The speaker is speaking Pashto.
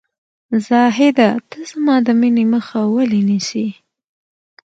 زاهده ! ته زما د مینې مخه ولې نیسې ؟